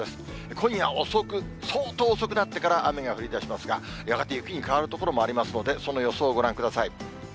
今夜遅く、相当遅くなってから雨が降りだしますが、やがて雪に変わる所もありますので、その予想をご覧ください。